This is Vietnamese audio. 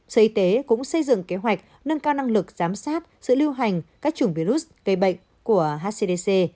sở y tế cũng xây dựng kế hoạch nâng cao năng lực giám sát sự lưu hành các chủng virus gây bệnh của hcdc